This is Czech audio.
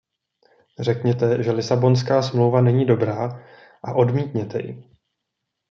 Řekněte, že Lisabonská smlouva není dobrá a odmítněte ji.